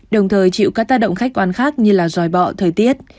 đồng thời chịu các tác động khách quan khác như là dòi bọ thời tiết